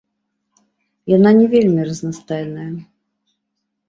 Яна не вельмі разнастайная.